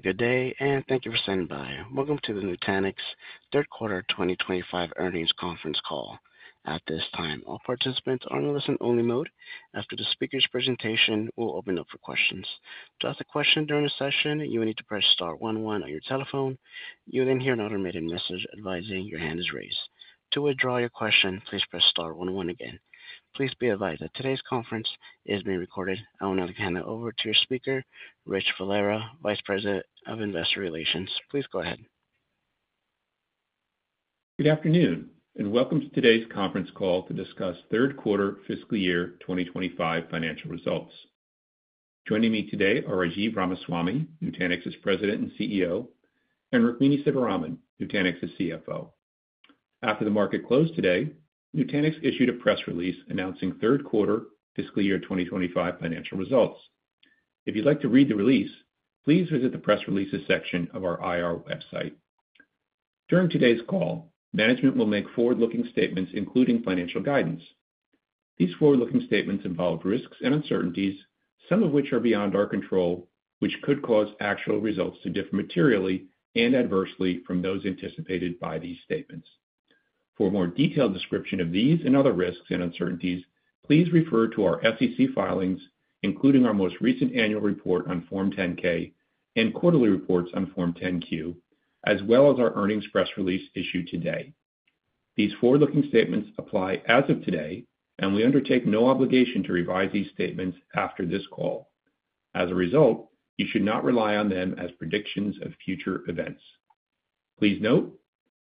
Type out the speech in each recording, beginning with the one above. Good day, and thank you for standing by. Welcome to the Nutanix Third Quarter 2025 earnings conference call. At this time, all participants are in the listen-only mode. After the speaker's presentation, we'll open it up for questions. To ask a question during the session, you will need to press Star one one on your telephone. You will then hear an automated message advising your hand is raised. To withdraw your question, please press Star one one again. Please be advised that today's conference is being recorded. I will now hand it over to your speaker, Rich Valera, Vice President of Investor Relations. Please go ahead. Good afternoon, and welcome to today's conference call to discuss Third Quarter Fiscal Year 2025 financial results. Joining me today are Rajiv Ramaswami, Nutanix's President and CEO, and Rukmini Sivaraman, Nutanix's CFO. After the market closed today, Nutanix issued a press release announcing Third Quarter Fiscal Year 2025 financial results. If you'd like to read the release, please visit the press releases section of our IR website. During today's call, management will make forward-looking statements, including financial guidance. These forward-looking statements involve risks and uncertainties, some of which are beyond our control, which could cause actual results to differ materially and adversely from those anticipated by these statements. For a more detailed description of these and other risks and uncertainties, please refer to our SEC filings, including our most recent annual report on Form 10-K and quarterly reports on Form 10-Q, as well as our earnings press release issued today. These forward-looking statements apply as of today, and we undertake no obligation to revise these statements after this call. As a result, you should not rely on them as predictions of future events. Please note,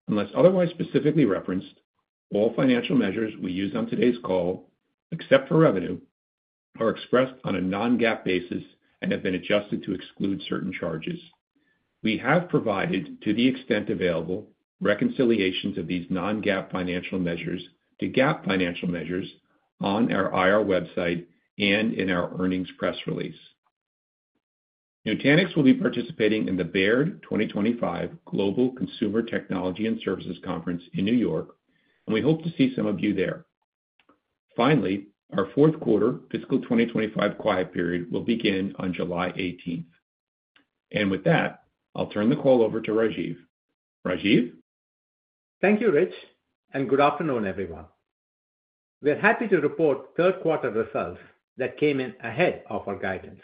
unless otherwise specifically referenced, all financial measures we use on today's call, except for revenue, are expressed on a non-GAAP basis and have been adjusted to exclude certain charges. We have provided, to the extent available, reconciliations of these non-GAAP financial measures to GAAP financial measures on our IR website and in our earnings press release. Nutanix will be participating in the Baird 2025 Global Consumer Technology and Services Conference in New York, and we hope to see some of you there. Finally, our Fourth Quarter Fiscal 2025 quiet period will begin on July 18th. With that, I'll turn the call over to Rajiv. Rajiv? Thank you, Rich, and good afternoon, everyone. We're happy to report third quarter results that came in ahead of our guidance.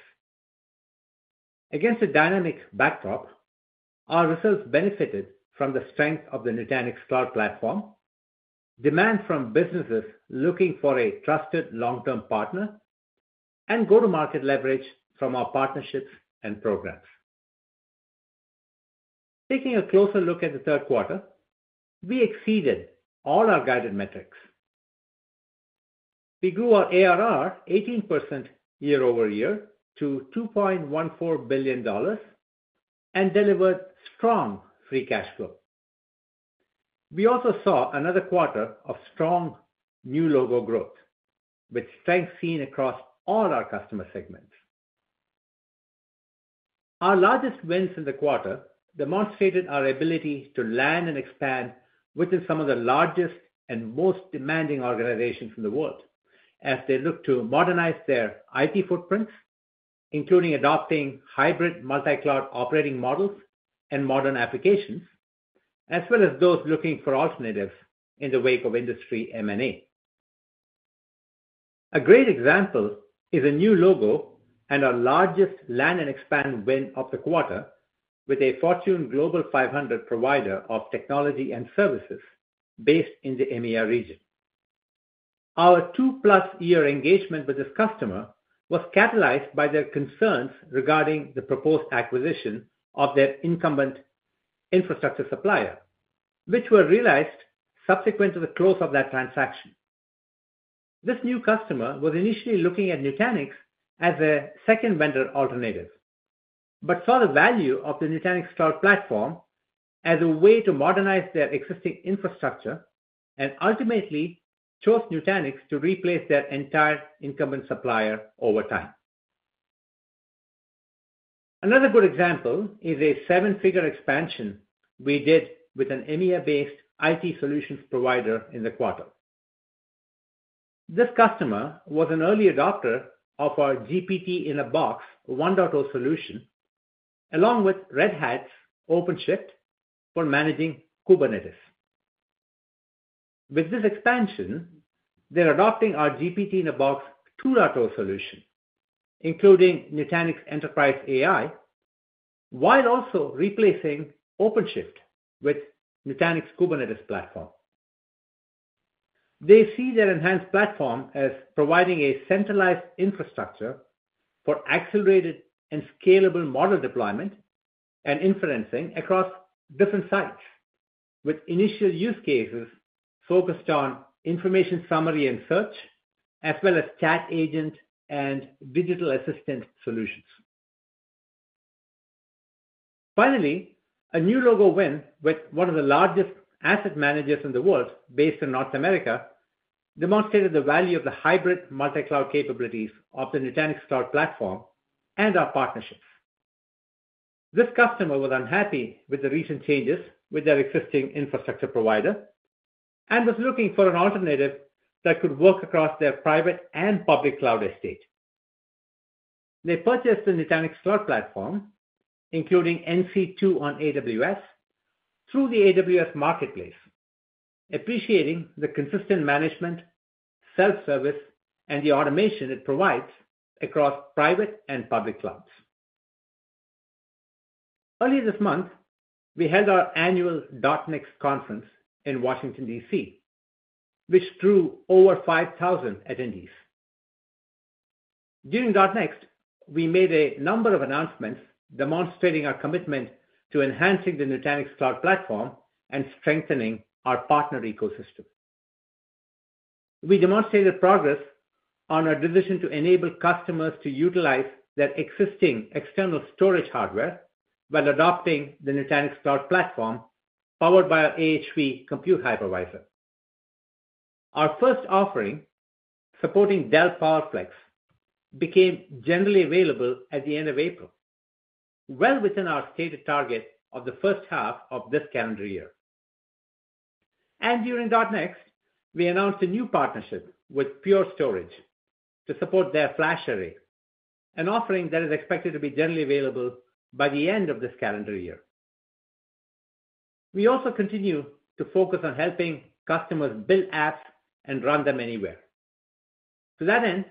Against a dynamic backdrop, our results benefited from the strength of the Nutanix Cloud Platform, demand from businesses looking for a trusted long-term partner, and go-to-market leverage from our partnerships and programs. Taking a closer look at the third quarter, we exceeded all our guided metrics. We grew our ARR 18% year-over-year to $2.14 billion and delivered strong free cash flow. We also saw another quarter of strong new logo growth, with strength seen across all our customer segments. Our largest wins in the quarter demonstrated our ability to land and expand within some of the largest and most demanding organizations in the world as they look to modernize their IT footprints, including adopting hybrid multi-cloud operating models and modern applications, as well as those looking for alternatives in the wake of industry M&A. A great example is a new logo and our largest land-and-expand win of the quarter with a Fortune Global 500 provider of technology and services based in the EMEA region. Our two-plus-year engagement with this customer was catalyzed by their concerns regarding the proposed acquisition of their incumbent infrastructure supplier, which were realized subsequent to the close of that transaction. This new customer was initially looking at Nutanix as a second vendor alternative but saw the value of the Nutanix Cloud Platform as a way to modernize their existing infrastructure and ultimately chose Nutanix to replace their entire incumbent supplier over time. Another good example is a seven-figure expansion we did with an EMEA-based IT solutions provider in the quarter. This customer was an early adopter of our GPT-in-a-Box 1.0 solution, along with Red Hat's OpenShift for managing Kubernetes. With this expansion, they're adopting our GPT-in-a-Box 2.0 solution, including Nutanix Enterprise AI, while also replacing OpenShift with Nutanix Kubernetes Platform. They see their enhanced platform as providing a centralized infrastructure for accelerated and scalable model deployment and inferencing across different sites, with initial use cases focused on information summary and search, as well as chat agent and digital assistant solutions. Finally, a new logo win with one of the largest asset managers in the world based in North America demonstrated the value of the hybrid multi-cloud capabilities of the Nutanix Cloud Platform and our partnerships. This customer was unhappy with the recent changes with their existing infrastructure provider and was looking for an alternative that could work across their private and public cloud estate. They purchased the Nutanix Cloud Platform, including NC2 on AWS, through the AWS Marketplace, appreciating the consistent management, self-service, and the automation it provides across private and public clouds. Earlier this month, we held our annual DotNext Conference in Washington, D.C., which drew over 5,000 attendees. During DotNext, we made a number of announcements demonstrating our commitment to enhancing the Nutanix Cloud Platform and strengthening our partner ecosystem. We demonstrated progress on our decision to enable customers to utilize their existing external storage hardware while adopting the Nutanix Cloud Platform powered by our AHV compute hypervisor. Our first offering supporting Dell PowerFlex became generally available at the end of April, well within our stated target of the first half of this calendar year. During DotNext, we announced a new partnership with Pure Storage to support their FlashArray, an offering that is expected to be generally available by the end of this calendar year. We also continue to focus on helping customers build apps and run them anywhere. To that end,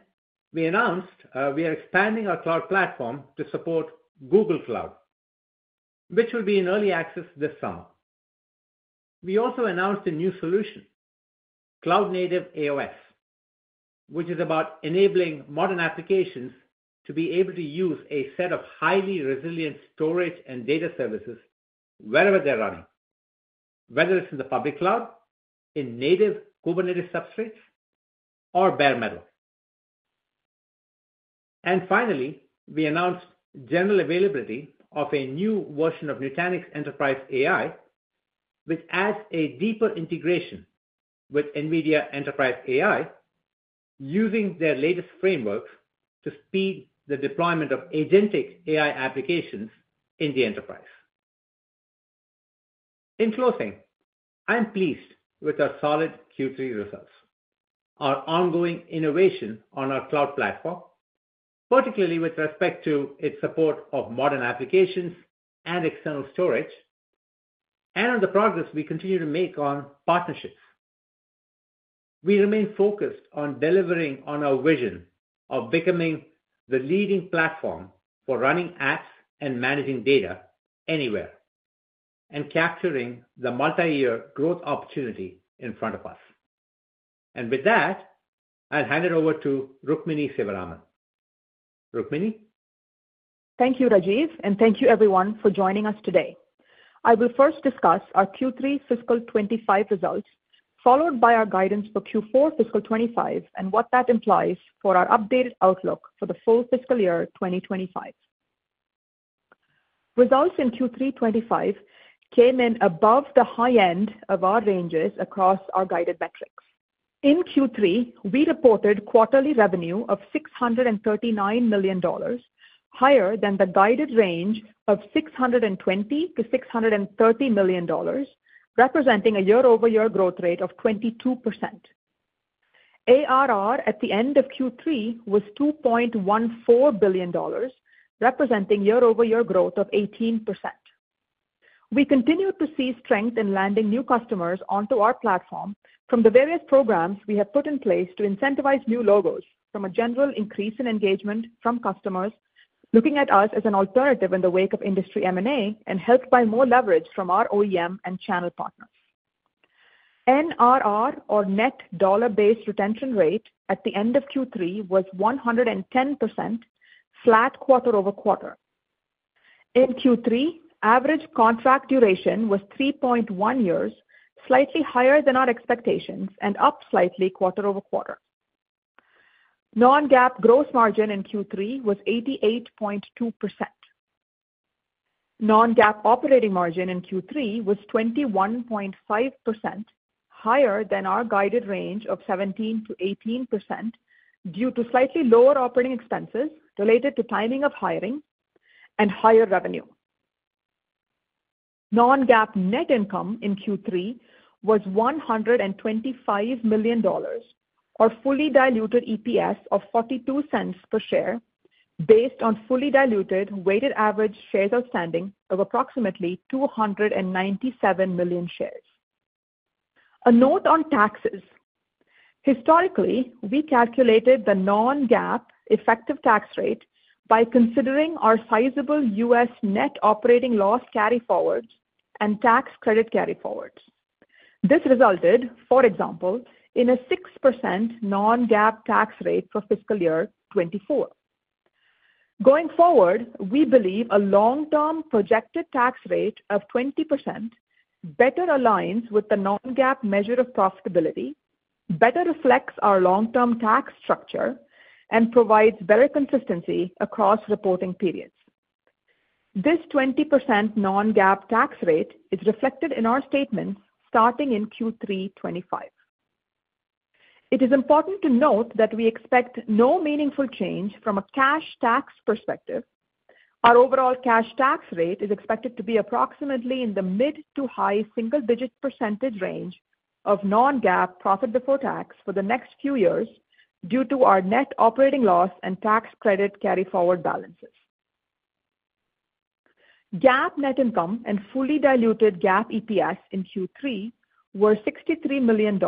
we announced we are expanding our Cloud Platform to support Google Cloud, which will be in early access this summer. We also announced a new solution, Cloud Native AOS, which is about enabling modern applications to be able to use a set of highly resilient storage and data services wherever they're running, whether it's in the public cloud, in native Kubernetes substrates, or bare metal. Finally, we announced general availability of a new version of Nutanix Enterprise AI, which adds a deeper integration with NVIDIA Enterprise AI using their latest frameworks to speed the deployment of agentic AI applications in the enterprise. In closing, I'm pleased with our solid Q3 results, our ongoing innovation on our Cloud Platform, particularly with respect to its support of modern applications and external storage, and on the progress we continue to make on partnerships. We remain focused on delivering on our vision of becoming the leading platform for running apps and managing data anywhere and capturing the multi-year growth opportunity in front of us. With that, I'll hand it over to Rukmini Sivaraman. Rukmini? Thank you, Rajiv, and thank you, everyone, for joining us today. I will first discuss our Q3 Fiscal 2025 results, followed by our guidance for Q4 Fiscal 2025 and what that implies for our updated outlook for the full fiscal year 2025. Results in Q3 2025 came in above the high end of our ranges across our guided metrics. In Q3, we reported quarterly revenue of $639 million, higher than the guided range of $620-$630 million, representing a year-over-year growth rate of 22%. ARR at the end of Q3 was $2.14 billion, representing year-over-year growth of 18%. We continue to see strength in landing new customers onto our platform from the various programs we have put in place to incentivize new logos, from a general increase in engagement from customers looking at us as an alternative in the wake of industry M&A and helped by more leverage from our OEM and channel partners. NRR, or net dollar-based retention rate, at the end of Q3 was 110%, flat quarter over quarter. In Q3, average contract duration was 3.1 years, slightly higher than our expectations and up slightly quarter over quarter. Non-GAAP gross margin in Q3 was 88.2%. Non-GAAP operating margin in Q3 was 21.5%, higher than our guided range of 17%-18% due to slightly lower operating expenses related to timing of hiring and higher revenue. Non-GAAP net income in Q3 was $125 million, or fully diluted EPS of $0.42 per share, based on fully diluted weighted average shares outstanding of approximately 297 million shares. A note on taxes. Historically, we calculated the non-GAAP effective tax rate by considering our sizable U.S. net operating loss carryforwards and tax credit carryforwards. This resulted, for example, in a 6% non-GAAP tax rate for fiscal year 2024. Going forward, we believe a long-term projected tax rate of 20% better aligns with the non-GAAP measure of profitability, better reflects our long-term tax structure, and provides better consistency across reporting periods. This 20% non-GAAP tax rate is reflected in our statements starting in Q3 2025. It is important to note that we expect no meaningful change from a cash tax perspective. Our overall cash tax rate is expected to be approximately in the mid to high single-digit % range of non-GAAP profit before tax for the next few years due to our net operating loss and tax credit carryforward balances. GAAP net income and fully diluted GAAP EPS in Q3 were $63 million and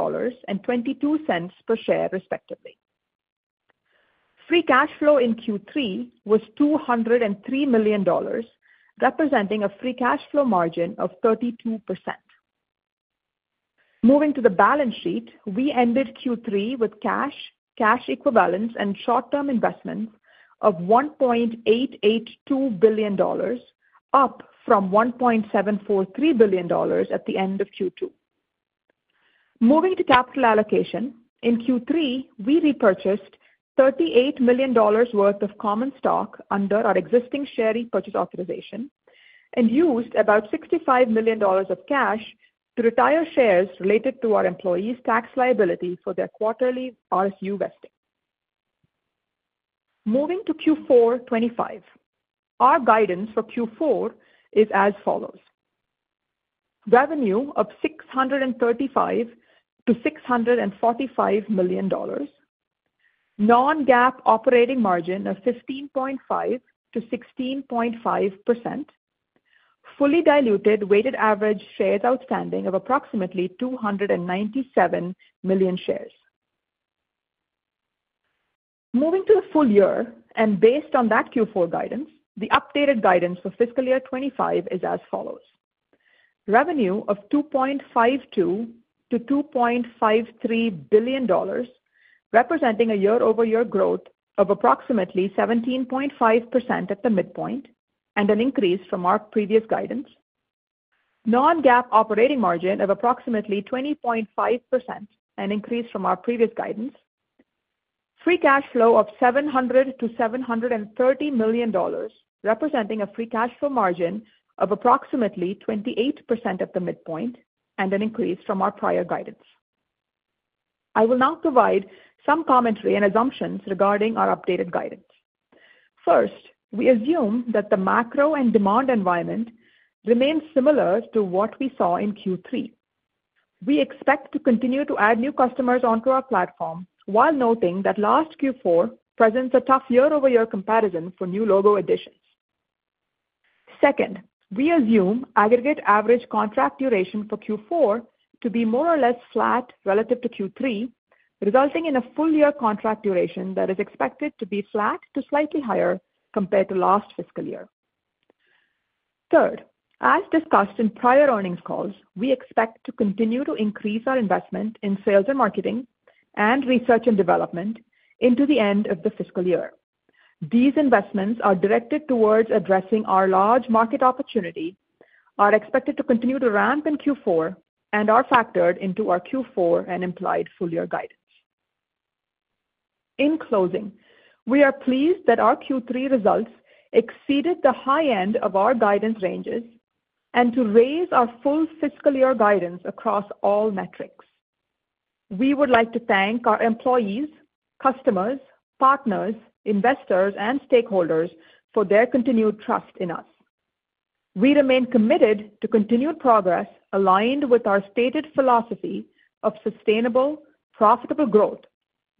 $0.22 per share, respectively. Free cash flow in Q3 was $203 million, representing a free cash flow margin of 32%. Moving to the balance sheet, we ended Q3 with cash, cash equivalents, and short-term investments of $1.882 billion, up from $1.743 billion at the end of Q2. Moving to capital allocation, in Q3, we repurchased $38 million worth of common stock under our existing share repurchase authorization and used about $65 million of cash to retire shares related to our employees' tax liability for their quarterly RSU vesting. Moving to Q4 2025, our guidance for Q4 is as follows: revenue of $635-$645 million, non-GAAP operating margin of 15.5%-16.5%, fully diluted weighted average shares outstanding of approximately 297 million shares. Moving to the full year, and based on that Q4 guidance, the updated guidance for fiscal year 2025 is as follows: revenue of $2.52-$2.53 billion, representing a year-over-year growth of approximately 17.5% at the midpoint and an increase from our previous guidance, non-GAAP operating margin of approximately 20.5%, an increase from our previous guidance, free cash flow of $700-$730 million, representing a free cash flow margin of approximately 28% at the midpoint and an increase from our prior guidance. I will now provide some commentary and assumptions regarding our updated guidance. First, we assume that the macro and demand environment remains similar to what we saw in Q3. We expect to continue to add new customers onto our platform while noting that last Q4 presents a tough year-over-year comparison for new logo additions. Second, we assume aggregate average contract duration for Q4 to be more or less flat relative to Q3, resulting in a full-year contract duration that is expected to be flat to slightly higher compared to last fiscal year. Third, as discussed in prior earnings calls, we expect to continue to increase our investment in sales and marketing and research and development into the end of the fiscal year. These investments are directed towards addressing our large market opportunity, are expected to continue to ramp in Q4, and are factored into our Q4 and implied full-year guidance. In closing, we are pleased that our Q3 results exceeded the high end of our guidance ranges and to raise our full fiscal year guidance across all metrics. We would like to thank our employees, customers, partners, investors, and stakeholders for their continued trust in us. We remain committed to continued progress aligned with our stated philosophy of sustainable, profitable growth,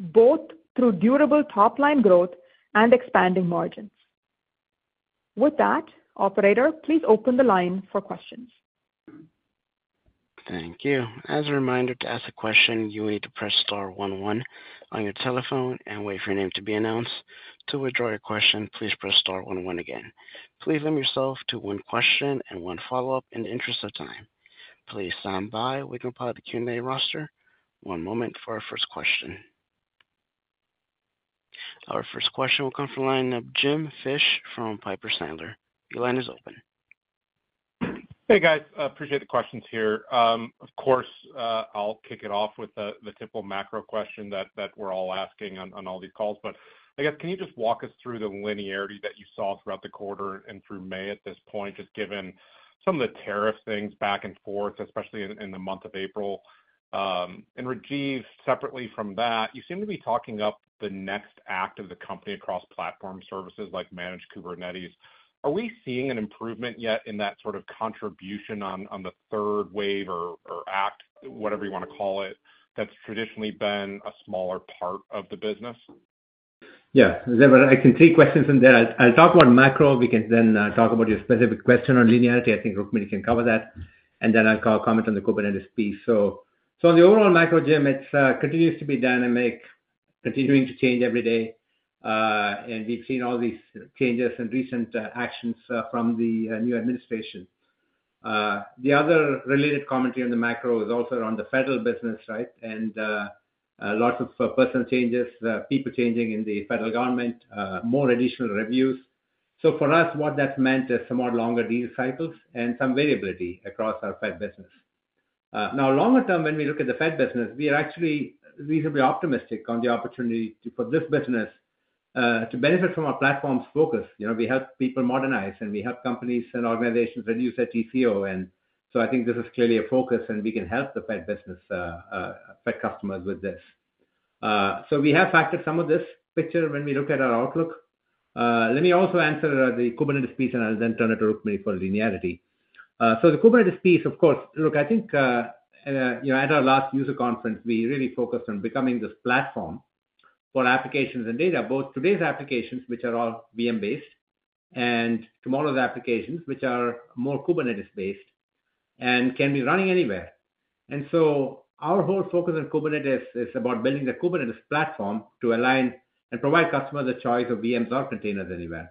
both through durable top-line growth and expanding margins. With that, Operator, please open the line for questions. Thank you. As a reminder, to ask a question, you will need to press star 1 1 on your telephone and wait for your name to be announced. To withdraw your question, please press star 1 1 again. Please limit yourself to one question and one follow-up in the interest of time. Please stand by. We can apply the Q&A roster. One moment for our first question. Our first question will come from line of Jim Fish from Piper Sandler. Your line is open. Hey, guys. Appreciate the questions here. Of course, I'll kick it off with the typical macro question that we're all asking on all these calls. I guess, can you just walk us through the linearity that you saw throughout the quarter and through May at this point, just given some of the tariff things back and forth, especially in the month of April? Rajiv, separately from that, you seem to be talking up the next act of the company across platform services like managed Kubernetes. Are we seeing an improvement yet in that sort of contribution on the third wave or act, whatever you want to call it, that's traditionally been a smaller part of the business? Yeah. I can take questions from there. I'll talk about macro. We can then talk about your specific question on linearity. I think Rukmini can cover that. I'll comment on the Kubernetes piece. On the overall macro, Jim, it continues to be dynamic, continuing to change every day. We've seen all these changes and recent actions from the new administration. The other related commentary on the macro is also around the federal business, right? Lots of personal changes, people changing in the federal government, more additional reviews. For us, what that meant is some more longer deal cycles and some variability across our Fed business. Now, longer term, when we look at the Fed business, we are actually reasonably optimistic on the opportunity for this business to benefit from our platform's focus. We help people modernize, and we help companies and organizations reduce their TCO. I think this is clearly a focus, and we can help the Fed business, Fed customers with this. We have factored some of this picture when we look at our outlook. Let me also answer the Kubernetes piece, and I'll then turn it to Rukmini for linearity. The Kubernetes piece, of course, look, I think at our last user conference, we really focused on becoming this platform for applications and data, both today's applications, which are all VM-based, and tomorrow's applications, which are more Kubernetes-based and can be running anywhere. Our whole focus on Kubernetes is about building the Kubernetes platform to align and provide customers the choice of VMs or containers anywhere.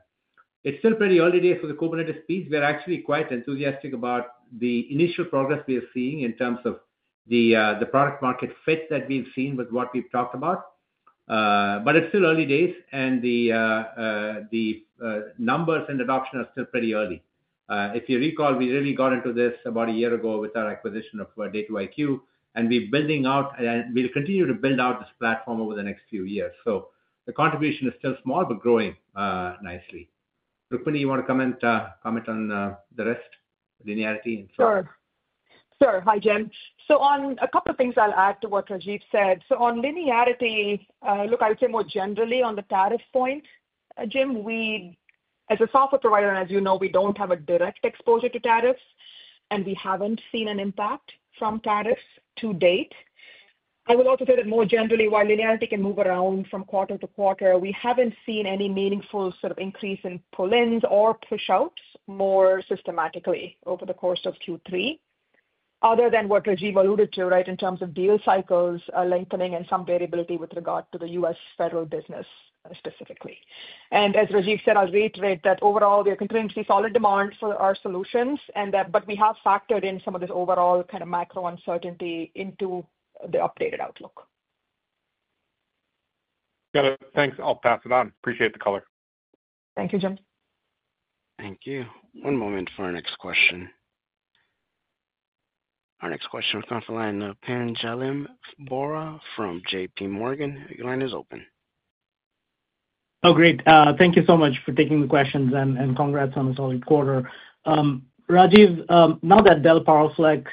It's still pretty early days for the Kubernetes piece. We are actually quite enthusiastic about the initial progress we are seeing in terms of the product-market fit that we've seen with what we've talked about. It is still early days, and the numbers and adoption are still pretty early. If you recall, we really got into this about a year ago with our acquisition of DataIQ, and we're building out, and we'll continue to build out this platform over the next few years. The contribution is still small but growing nicely. Rukmini, you want to comment on the rest, linearity and so on? Sure. Hi, Jim. On a couple of things I'll add to what Rajiv said. On linearity, look, I would say more generally on the tariff point, Jim, as a software provider, and as you know, we do not have a direct exposure to tariffs, and we have not seen an impact from tariffs to date. I will also say that more generally, while linearity can move around from quarter to quarter, we have not seen any meaningful sort of increase in pull-ins or push-outs more systematically over the course of Q3, other than what Rajiv alluded to, right, in terms of deal cycles lengthening and some variability with regard to the U.S. federal business specifically. As Rajiv said, I will reiterate that overall, we are continuing to see solid demand for our solutions, but we have factored in some of this overall kind of macro uncertainty into the updated outlook. Got it. Thanks. I'll pass it on. Appreciate the color. Thank you, Jim. Thank you. One moment for our next question. Our next question will come from line Pinjalim Bora from JPMorgan. Your line is open. Oh, great. Thank you so much for taking the questions, and congrats on the solid quarter. Rajiv, now that Dell PowerFlex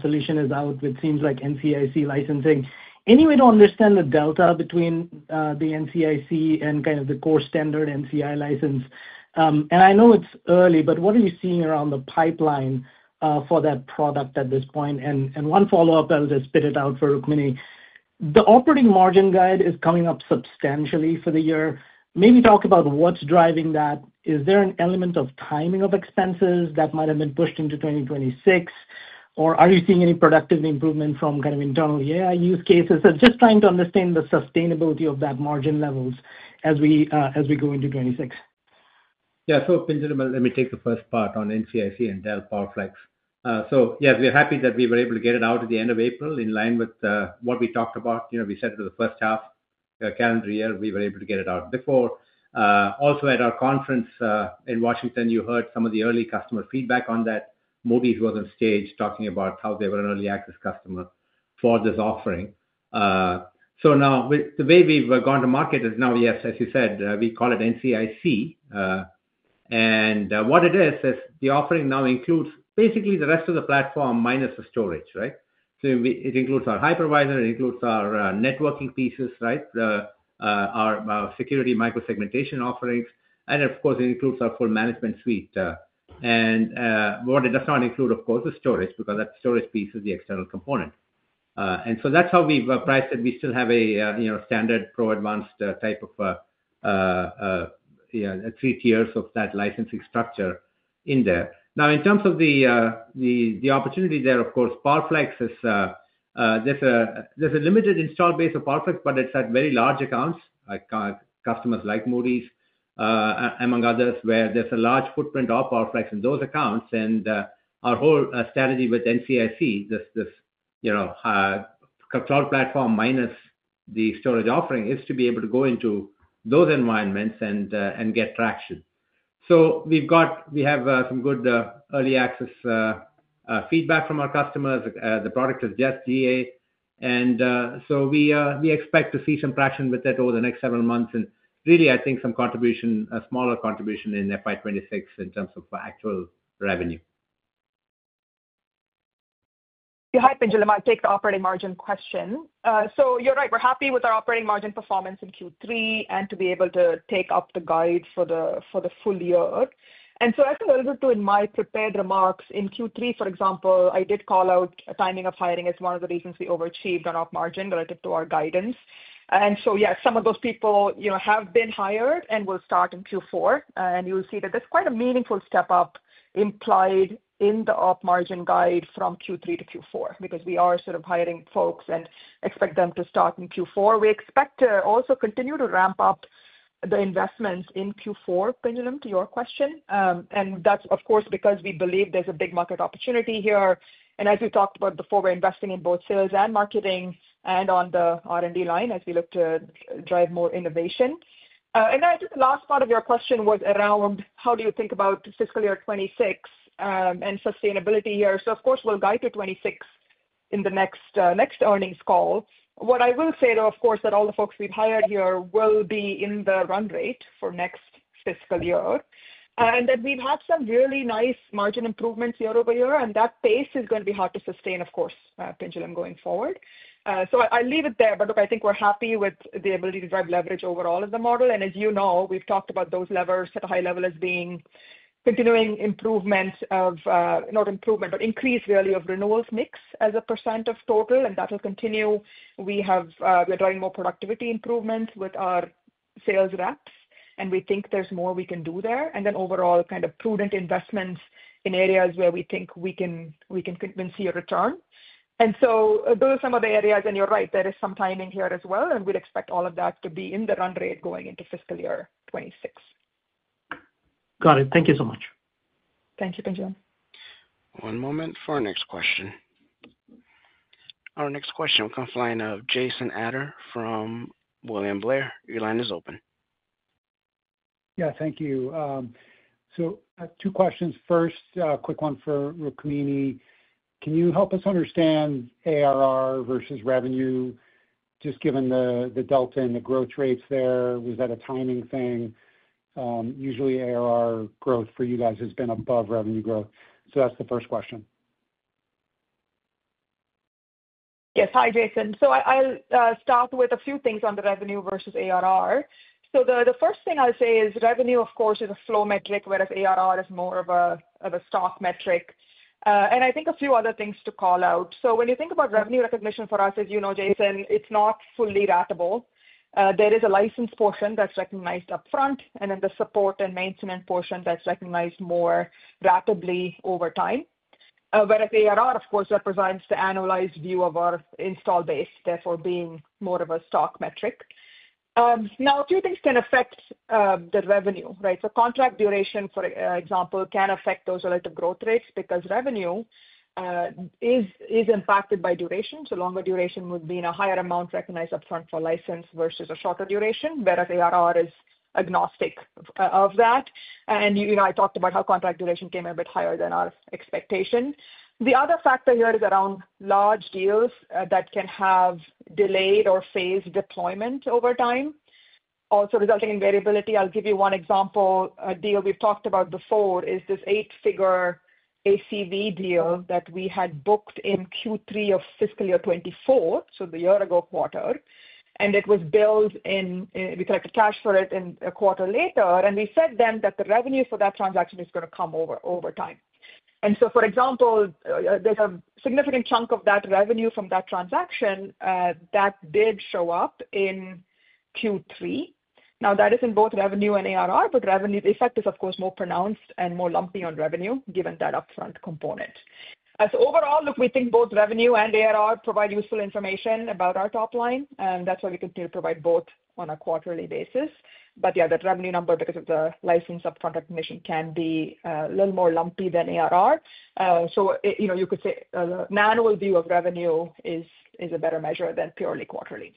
solution is out with teams like NCIC licensing, any way to understand the delta between the NCIC and kind of the core standard NCI license? I know it's early, but what are you seeing around the pipeline for that product at this point? One follow-up, I'll just spit it out for Rukmini. The operating margin guide is coming up substantially for the year. Maybe talk about what's driving that. Is there an element of timing of expenses that might have been pushed into 2026? Are you seeing any productivity improvement from kind of internal AI use cases? Just trying to understand the sustainability of that margin levels as we go into 2026. Yeah. Pinjalim, let me take the first part on NCIC and Dell PowerFlex. Yes, we're happy that we were able to get it out at the end of April in line with what we talked about. We said it was the first half calendar year. We were able to get it out before. Also, at our conference in Washington, you heard some of the early customer feedback on that. MoBiz was on stage talking about how they were an early access customer for this offering. Now, the way we've gone to market is, yes, as you said, we call it NCIC. What it is, is the offering now includes basically the rest of the platform minus the storage, right? It includes our hypervisor. It includes our networking pieces, our security micro-segmentation offerings. Of course, it includes our full management suite. What it does not include, of course, is storage because that storage piece is the external component. That is how we've priced it. We still have a standard pro-advanced type of three tiers of that licensing structure in there. Now, in terms of the opportunity there, of course, PowerFlex, there's a limited install base of PowerFlex, but it's at very large accounts like customers like MoBiz, among others, where there's a large footprint of PowerFlex in those accounts. Our whole strategy with NCSE, this cloud platform minus the storage offering, is to be able to go into those environments and get traction. We have some good early access feedback from our customers. The product is just GA. We expect to see some traction with it over the next several months and really, I think, some contribution, a smaller contribution in FY 2026 in terms of actual revenue. Yeah. Hi, Pinjalim. I'll take the operating margin question. You're right. We're happy with our operating margin performance in Q3 and to be able to take up the guide for the full year. I think a little bit too in my prepared remarks, in Q3, for example, I did call out timing of hiring as one of the reasons we overachieved on op margin relative to our guidance. Yes, some of those people have been hired and will start in Q4. You'll see that there's quite a meaningful step up implied in the op margin guide from Q3 to Q4 because we are sort of hiring folks and expect them to start in Q4. We expect to also continue to ramp up the investments in Q4, Pinjalim, to your question. That's, of course, because we believe there's a big market opportunity here. As we talked about before, we're investing in both sales and marketing and on the R&D line as we look to drive more innovation. I think the last part of your question was around how do you think about fiscal year 2026 and sustainability here. Of course, we'll guide to 2026 in the next earnings call. What I will say though, of course, is that all the folks we've hired here will be in the run rate for next fiscal year. We've had some really nice margin improvements year over year, and that pace is going to be hard to sustain, of course, Pinjalim, going forward. I'll leave it there. I think we're happy with the ability to drive leverage overall of the model. As you know, we've talked about those levers at a high level as being continuing improvement of, not improvement, but increase really of renewals mix as a percent of total. That will continue. We are driving more productivity improvements with our sales reps, and we think there's more we can do there. Overall, kind of prudent investments in areas where we think we can convince your return. Those are some of the areas. You're right, there is some timing here as well. We'd expect all of that to be in the run rate going into fiscal year 2026. Got it. Thank you so much. Thank you, Pinjalim. One moment for our next question. Our next question will come from line of Jason Ader from William Blair. Your line is open. Yeah. Thank you. Two questions. First, quick one for Rukmini. Can you help us understand ARR versus revenue, just given the delta and the growth rates there? Was that a timing thing? Usually, ARR growth for you guys has been above revenue growth. That is the first question. Yes. Hi, Jason. I'll start with a few things on the revenue versus ARR. The first thing I'll say is revenue, of course, is a flow metric, whereas ARR is more of a stock metric. I think a few other things to call out. When you think about revenue recognition for us, as you know, Jason, it's not fully ratable. There is a license portion that's recognized upfront, and then the support and maintenance portion that's recognized more ratably over time, whereas ARR, of course, represents the annualized view of our install base, therefore being more of a stock metric. A few things can affect the revenue, right? Contract duration, for example, can affect those relative growth rates because revenue is impacted by duration. Longer duration would be in a higher amount recognized upfront for license versus a shorter duration, whereas ARR is agnostic of that. I talked about how contract duration came a bit higher than our expectation. The other factor here is around large deals that can have delayed or phased deployment over time, also resulting in variability. I'll give you one example. A deal we've talked about before is this eight-figure ACV deal that we had booked in Q3 of fiscal year 2024, so the year-ago quarter. It was billed and we collected cash for it a quarter later. We said then that the revenue for that transaction is going to come over time. For example, there's a significant chunk of that revenue from that transaction that did show up in Q3. Now, that is in both revenue and ARR, but revenue effect is, of course, more pronounced and more lumpy on revenue, given that upfront component. Overall, look, we think both revenue and ARR provide useful information about our top line. That is why we continue to provide both on a quarterly basis. Yeah, that revenue number, because of the license upfront recognition, can be a little more lumpy than ARR. You could say the manual view of revenue is a better measure than purely quarterly.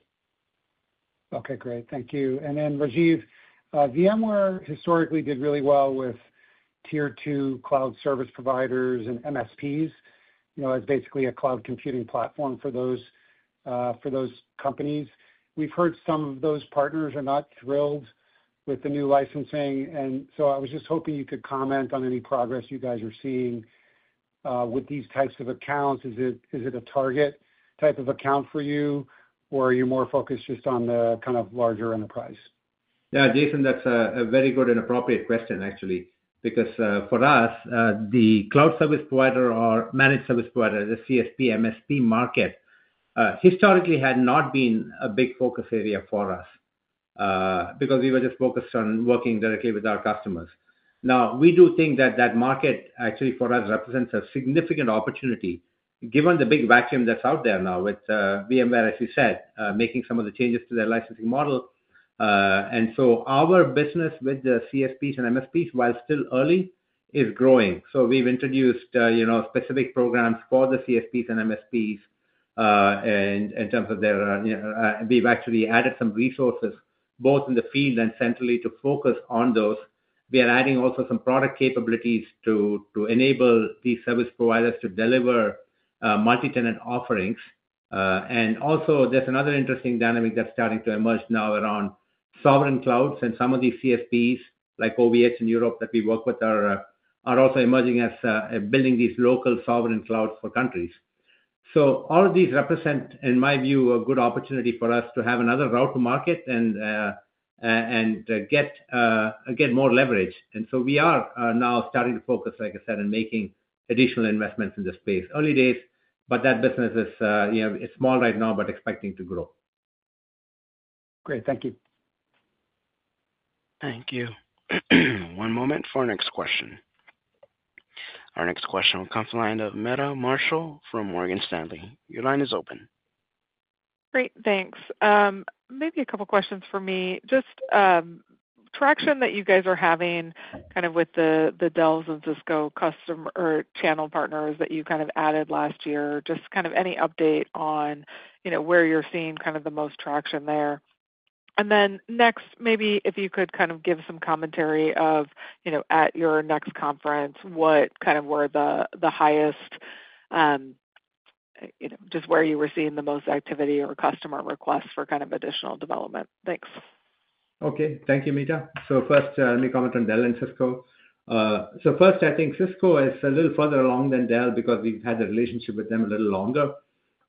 Okay. Great. Thank you. Rajiv, VMware historically did really well with tier two cloud service providers and MSPs as basically a cloud computing platform for those companies. We have heard some of those partners are not thrilled with the new licensing. I was just hoping you could comment on any progress you guys are seeing with these types of accounts. Is it a target type of account for you, or are you more focused just on the kind of larger enterprise? Yeah. Jason, that's a very good and appropriate question, actually, because for us, the cloud service provider or managed service provider, the CSP/MSP market, historically had not been a big focus area for us because we were just focused on working directly with our customers. Now, we do think that that market, actually, for us, represents a significant opportunity given the big vacuum that's out there now with VMware, as you said, making some of the changes to their licensing model. Our business with the CSPs and MSPs, while still early, is growing. We've introduced specific programs for the CSPs and MSPs in terms of their—we've actually added some resources both in the field and centrally to focus on those. We are adding also some product capabilities to enable these service providers to deliver multi-tenant offerings. There is another interesting dynamic that's starting to emerge now around sovereign clouds. Some of these CSPs, like OVH in Europe that we work with, are also emerging as building these local sovereign clouds for countries. All of these represent, in my view, a good opportunity for us to have another route to market and get more leverage. We are now starting to focus, like I said, on making additional investments in this space. Early days, but that business is small right now, but expecting to grow. Great. Thank you. Thank you. One moment for our next question. Our next question will come from line of Meta Marshall from Morgan Stanley. Your line is open. Great. Thanks. Maybe a couple of questions for me. Just traction that you guys are having kind of with the Dell and Cisco channel partners that you kind of added last year, just kind of any update on where you're seeing kind of the most traction there. Next, maybe if you could kind of give some commentary of at your next conference, what kind of were the highest, just where you were seeing the most activity or customer requests for kind of additional development. Thanks. Okay. Thank you, Meta. First, let me comment on Dell and Cisco. First, I think Cisco is a little further along than Dell because we've had a relationship with them a little longer.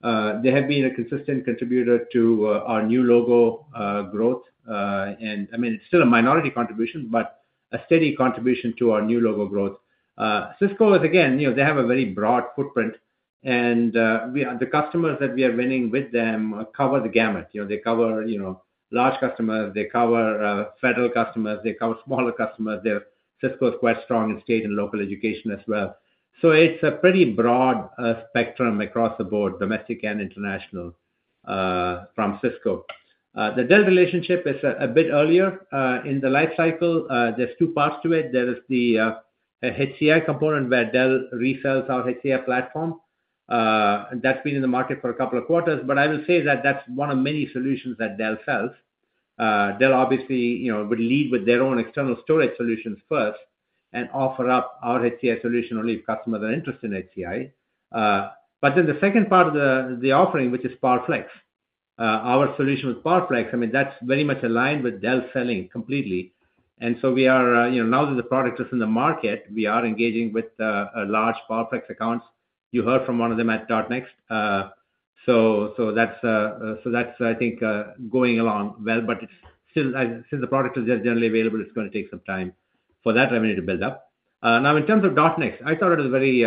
They have been a consistent contributor to our new logo growth. I mean, it's still a minority contribution, but a steady contribution to our new logo growth. Cisco is, again, they have a very broad footprint. The customers that we are winning with them cover the gamut. They cover large customers. They cover federal customers. They cover smaller customers. Cisco is quite strong in state and local education as well. It is a pretty broad spectrum across the board, domestic and international, from Cisco. The Dell relationship is a bit earlier in the life cycle. There are two parts to it. There is the HCI component where Dell resells our HCI platform. That's been in the market for a couple of quarters. I will say that that's one of many solutions that Dell sells. Dell obviously would lead with their own external storage solutions first and offer up our HCI solution only if customers are interested in HCI. The second part of the offering, which is PowerFlex, our solution with PowerFlex, I mean, that's very much aligned with Dell selling completely. Now that the product is in the market, we are engaging with large PowerFlex accounts. You heard from one of them at DotNext. That's, I think, going along well. Since the product is generally available, it's going to take some time for that revenue to build up. In terms of DotNext, I thought it was a very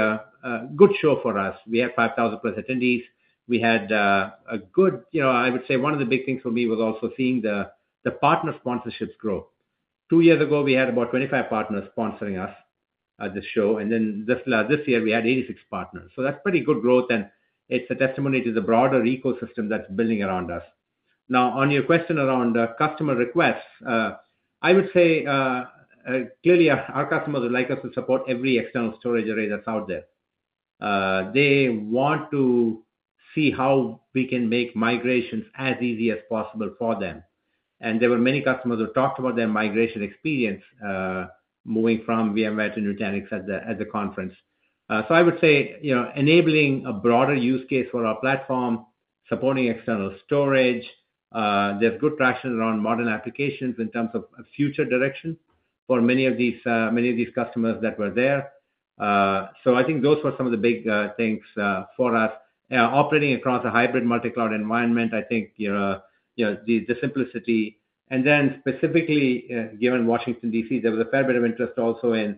good show for us. We had 5,000-plus attendees. We had a good, I would say, one of the big things for me was also seeing the partner sponsorships grow. Two years ago, we had about 25 partners sponsoring us at this show. This year, we had 86 partners. That is pretty good growth. It is a testimony to the broader ecosystem that is building around us. Now, on your question around customer requests, I would say clearly our customers would like us to support every external storage array that is out there. They want to see how we can make migrations as easy as possible for them. There were many customers who talked about their migration experience moving from VMware to Nutanix at the conference. I would say enabling a broader use case for our platform, supporting external storage. There's good traction around modern applications in terms of future direction for many of these customers that were there. I think those were some of the big things for us. Operating across a hybrid multi-cloud environment, I think the simplicity. Specifically, given Washington, D.C., there was a fair bit of interest also in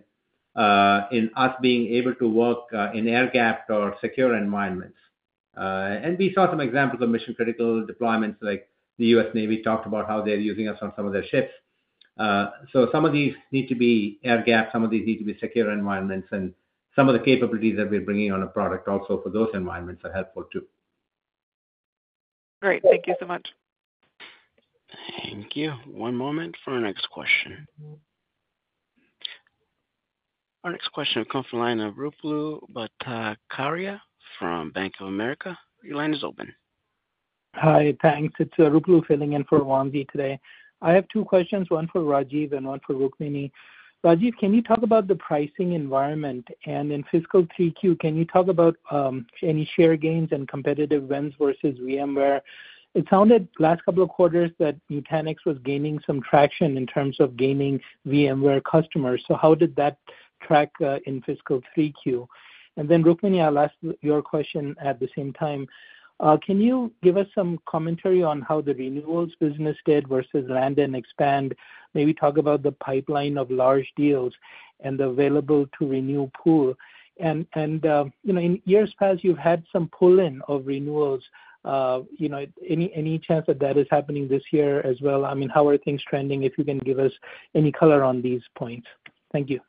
us being able to work in air-gapped or secure environments. We saw some examples of mission-critical deployments like the US Navy talked about how they're using us on some of their ships. Some of these need to be air-gapped. Some of these need to be secure environments. Some of the capabilities that we're bringing on a product also for those environments are helpful too. Great. Thank you so much. Thank you. One moment for our next question. Our next question will come from line of Ruplu Bhattacharya from Bank of America. Your line is open. Hi. Thanks. It's Ruklu filling in for Wanvi today. I have two questions, one for Rajiv and one for Rukmini. Rajiv, can you talk about the pricing environment? In fiscal 3Q, can you talk about any share gains and competitive wins versus VMware? It sounded last couple of quarters that Nutanix was gaining some traction in terms of gaining VMware customers. How did that track in fiscal 3Q? Rukmini, I'll ask your question at the same time. Can you give us some commentary on how the renewals business did versus land and expand? Maybe talk about the pipeline of large deals and the available-to-renew pool. In years past, you've had some pull-in of renewals. Any chance that that is happening this year as well? I mean, how are things trending if you can give us any color on these points? Thank you.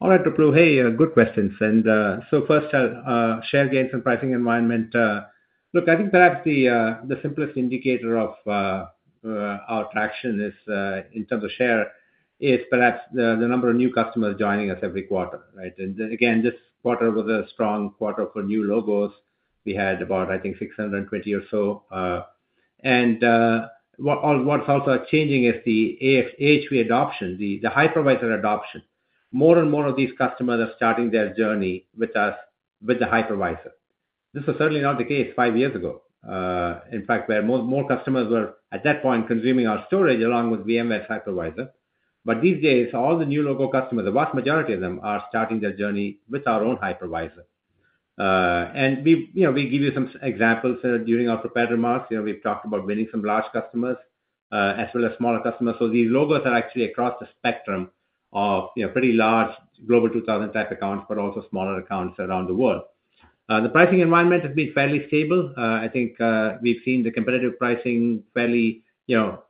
All right, Ruplu. Hey, good questions. First, share gains and pricing environment. Look, I think perhaps the simplest indicator of our traction in terms of share is perhaps the number of new customers joining us every quarter, right? Again, this quarter was a strong quarter for new logos. We had about, I think, 620 or so. What's also changing is the AHV adoption, the hypervisor adoption. More and more of these customers are starting their journey with us with the hypervisor. This was certainly not the case five years ago, in fact, where more customers were at that point consuming our storage along with VMware's hypervisor. These days, all the new logo customers, the vast majority of them, are starting their journey with our own hypervisor. We gave you some examples during our prepared remarks. We've talked about winning some large customers as well as smaller customers. These logos are actually across the spectrum of pretty large Global 2000-type accounts, but also smaller accounts around the world. The pricing environment has been fairly stable. I think we've seen the competitive pricing fairly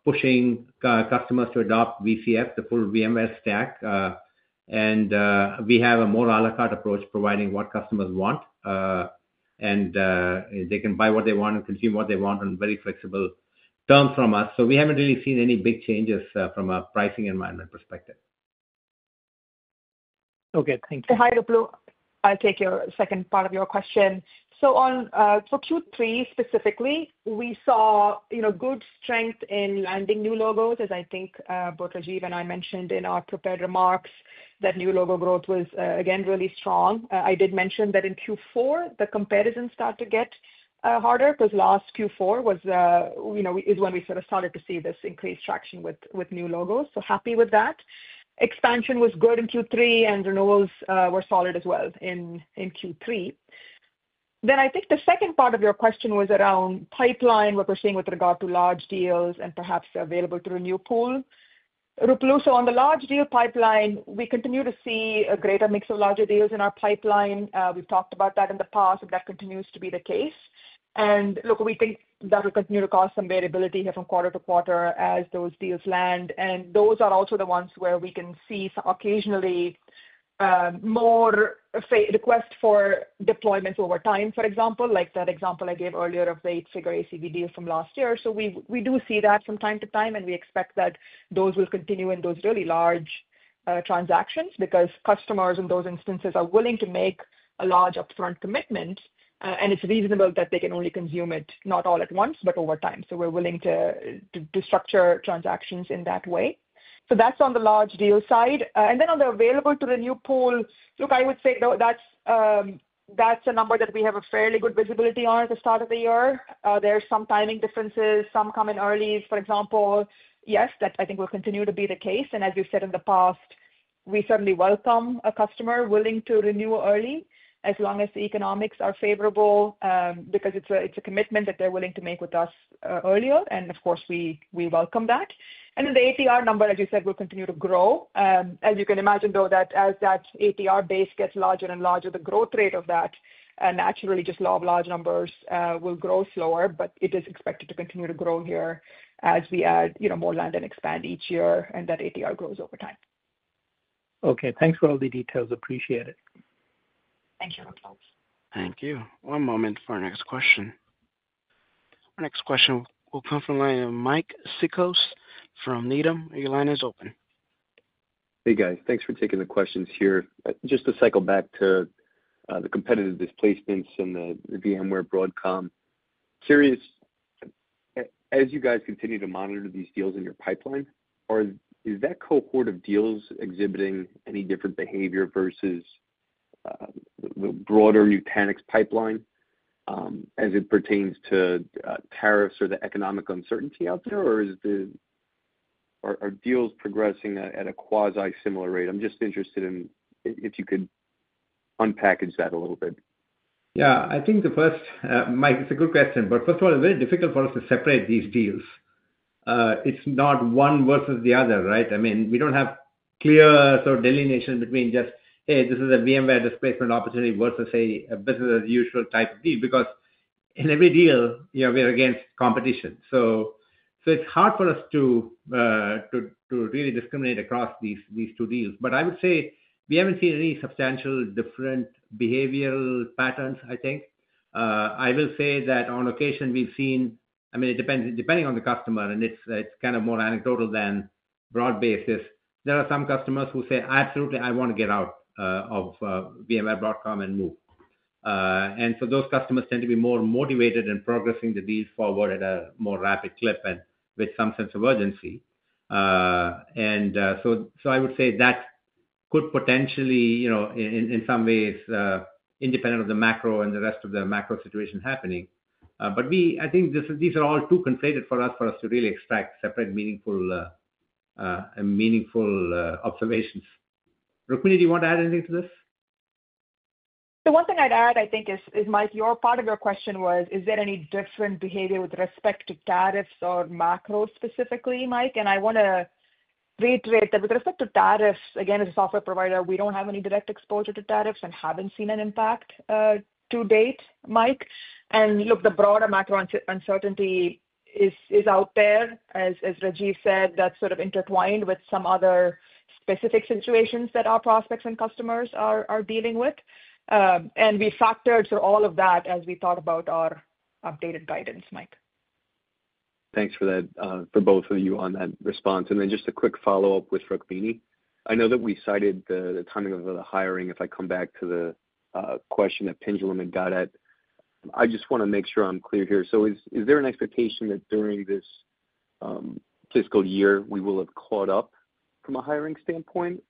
pushing customers to adopt VCF, the full VMware stack. We have a more à la carte approach, providing what customers want. They can buy what they want and consume what they want on very flexible terms from us. We haven't really seen any big changes from a pricing environment perspective. Okay. Thank you. Hi, Ruplu. I'll take your second part of your question. For Q3 specifically, we saw good strength in landing new logos, as I think both Rajiv and I mentioned in our prepared remarks, that new logo growth was, again, really strong. I did mention that in Q4, the comparisons start to get harder because last Q4 is when we sort of started to see this increased traction with new logos. Happy with that. Expansion was good in Q3, and renewals were solid as well in Q3. I think the second part of your question was around pipeline, what we're seeing with regard to large deals and perhaps available-to-renew pool. Rukmini, on the large deal pipeline, we continue to see a greater mix of larger deals in our pipeline. We've talked about that in the past, and that continues to be the case. Look, we think that will continue to cause some variability here from quarter to quarter as those deals land. Those are also the ones where we can see occasionally more requests for deployments over time, for example, like that example I gave earlier of the eight-figure ACV deal from last year. We do see that from time to time, and we expect that those will continue in those really large transactions because customers in those instances are willing to make a large upfront commitment. It is reasonable that they can only consume it, not all at once, but over time. We are willing to structure transactions in that way. That is on the large deal side. On the available-to-renew pool, I would say that is a number that we have fairly good visibility on at the start of the year. There are some timing differences. Some come in early. For example, yes, that I think will continue to be the case. As we have said in the past, we certainly welcome a customer willing to renew early as long as the economics are favorable because it is a commitment that they are willing to make with us earlier. Of course, we welcome that. The ATR number, as you said, will continue to grow. As you can imagine, though, as that ATR base gets larger and larger, the growth rate of that, naturally, just large numbers will grow slower. It is expected to continue to grow here as we add more land and expand each year and that ATR grows over time. Okay. Thanks for all the details. Appreciate it. Thank you. Thank you. One moment for our next question. Our next question will come from line of Mike Cikos from Needham. Your line is open. Hey, guys. Thanks for taking the questions here. Just to cycle back to the competitive displacements and the VMware Broadcom, curious, as you guys continue to monitor these deals in your pipeline, is that cohort of deals exhibiting any different behavior versus the broader Nutanix pipeline as it pertains to tariffs or the economic uncertainty out there? Are deals progressing at a quasi-similar rate? I'm just interested in if you could unpackage that a little bit. Yeah. I think the first, Mike, it's a good question. First of all, it's very difficult for us to separate these deals. It's not one versus the other, right? I mean, we don't have clear sort of delineation between just, "Hey, this is a VMware displacement opportunity versus a business-as-usual type of deal," because in every deal, we're against competition. It's hard for us to really discriminate across these two deals. I would say we haven't seen any substantial different behavioral patterns, I think. I will say that on occasion, we've seen, I mean, depending on the customer, and it's kind of more anecdotal than broad basis, there are some customers who say, "Absolutely, I want to get out of VMware Broadcom and move." Those customers tend to be more motivated in progressing the deals forward at a more rapid clip and with some sense of urgency. I would say that could potentially, in some ways, be independent of the macro and the rest of the macro situation happening. I think these are all too conflated for us to really extract separate meaningful observations. Rukmini, do you want to add anything to this? The one thing I'd add, I think, is, Mike, your part of your question was, is there any different behavior with respect to tariffs or macro specifically, Mike? I want to reiterate that with respect to tariffs, again, as a software provider, we don't have any direct exposure to tariffs and haven't seen an impact to date, Mike. Look, the broader macro uncertainty is out there, as Rajiv said. That's sort of intertwined with some other specific situations that our prospects and customers are dealing with. We factored all of that as we thought about our updated guidance, Mike. Thanks for both of you on that response. Just a quick follow-up with Rukmini. I know that we cited the timing of the hiring. If I come back to the question that Pendulum had got at, I just want to make sure I'm clear here. Is there an expectation that during this fiscal year, we will have caught up from a hiring standpoint?